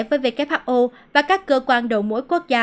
với who và các cơ quan đầu mối quốc gia